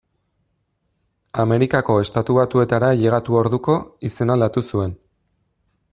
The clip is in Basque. Amerikako Estatu Batuetara ailegatu orduko, izena aldatu zuen.